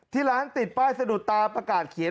ที่ร้านติดป้ายสะดุดตาประกาศเขียน